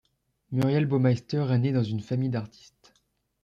Muriel Baumeister est née dans une famille d’artistes.